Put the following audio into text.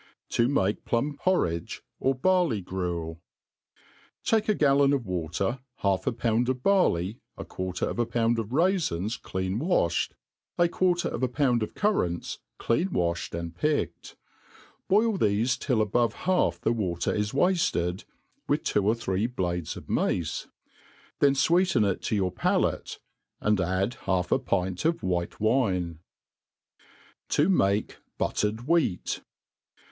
7o make PhtmiPvrriige^ nr Barley GrutU TAKE a gallon of water, half a pound of barley, a quarter of a pound of raifins clean waflied, a quarter of a pound of cur rants clean waflied and picked. Boil thefe till above half the water is wafted, with two or three blades of mace. Then iWeecen it to your palate, and add half a pint of white wine. i6o THE ART OF COOkERY To make Buitered tVheat.